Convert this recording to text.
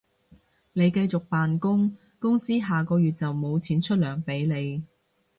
你繼續扮工，公司下個月就無錢出糧畀你